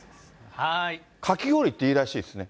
かき氷っていいらしいですね。